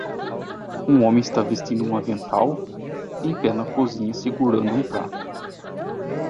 Um homem está vestindo um avental? em pé na cozinha segurando um prato.